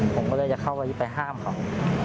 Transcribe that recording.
ผมก็เลยจะเข้าไปไปห้ามเขา